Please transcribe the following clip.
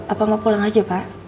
apa mau pulang aja pak